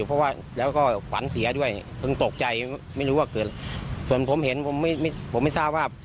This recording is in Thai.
เป็นหลักของลูกเต๋าของเรานะฮะ